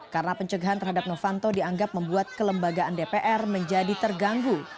karena pencegahan terhadap novanto dianggap membuat kelembagaan dpr menjadi terganggu